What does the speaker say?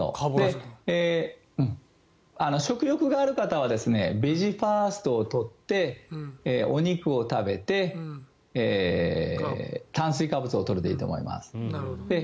食欲がある方はベジファーストを取ってお肉を食べて炭水化物を取るでいいと思います。